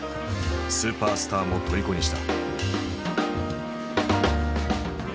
スーパースターもとりこにした。